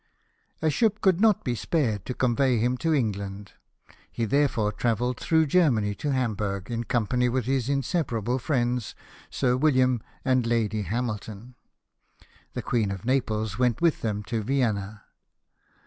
A ship could not be spared to convey him to England, he therefore travelled through Germany to Hamburg, in company with his inseparable friends Sir William and Lady Hamilton. The Queen of Naples went with them to Vienna.